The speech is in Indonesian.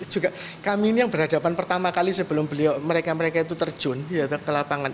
juga kami ini yang berhadapan pertama kali sebelum mereka mereka itu terjun ke lapangan